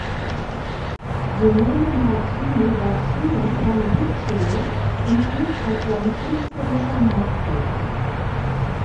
Simone Martini war Schüler von Duccio und gilt als sein künstlerischer Nachfolger.